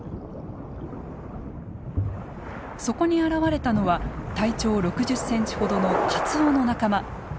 そこに現れたのは体長６０センチほどのカツオの仲間。